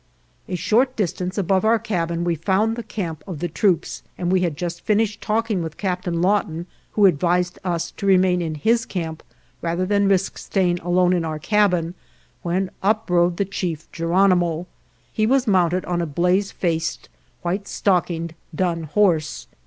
A short distance above our cabin we found the camp of the troops and we had just finished talking with Captain Lawton, who advised us to remain in his camp rather than risk staying alone in our cabin, when up rode the chief, Geronimo. He was mounted on a blaze faced, white stockinged dun horse.